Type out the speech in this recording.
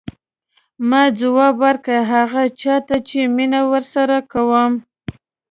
ما ځواب ورکړ هغه چا ته چې مینه ورسره کوم.